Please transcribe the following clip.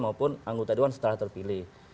maupun anggota dewan setelah terpilih